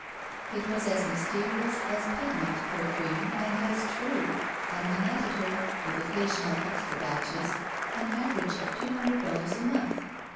It was as mysterious as pigment, her cream, and as true, and netted her, with occasional extra batches, an average of two himdred dollars a month.